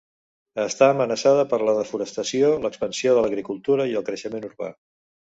Està amenaçada per la desforestació, l'expansió de l'agricultura i el creixement urbà.